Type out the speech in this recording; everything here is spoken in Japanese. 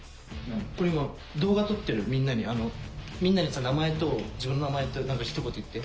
これ今動画撮ってるみんなにあのみんなに名前と自分の名前と何か一言言って。